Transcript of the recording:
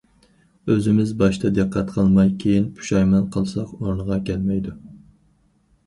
ئۆزىمىز باشتا دىققەت قىلماي كىيىن پۇشايمان قىلساق ئورنىغا كەلمەيدۇ.